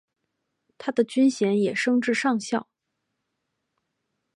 他的军衔也升至上校。